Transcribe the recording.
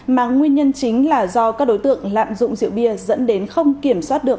mà nguyên nhân chính là do các đối tượng lạm dụng rượu bia dẫn đến không kiểm soát được